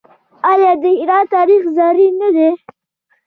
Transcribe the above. آیا د ایران تاریخ زرین نه دی؟